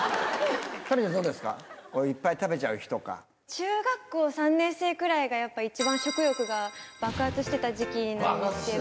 中学校３年生くらいがやっぱ一番食欲が爆発してた時期なんですけど。